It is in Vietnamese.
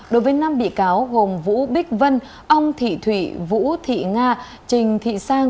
đối với năm bị cáo gồm vũ bích vân ông thị thụy vũ thị nga trình thị sang